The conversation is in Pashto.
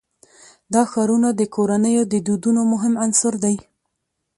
دا ښارونه د کورنیو د دودونو مهم عنصر دی.